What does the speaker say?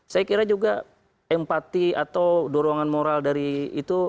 saya kira juga empati atau dorongan moral dari itu